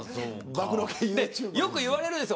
よく言われるんです。